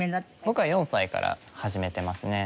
僕は４歳から始めてますね。